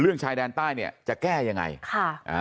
ชายแดนใต้เนี่ยจะแก้ยังไงค่ะอ่า